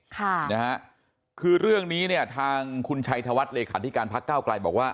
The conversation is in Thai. ค่ะคือเรื่องอี้ทางคุณชายธวัฒน์เลยค่ะที่การพ็าข้าวไกลบอกว่า